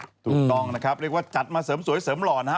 ถูกต้องนะครับเรียกว่าจัดมาเสริมสวยเสริมหล่อนะฮะ